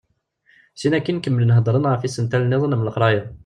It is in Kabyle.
Sin akkin kemmlen hedren ɣef yisental-nniḍen am leqraya.